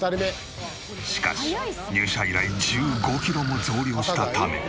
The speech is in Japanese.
しかし入社以来１５キロも増量したため。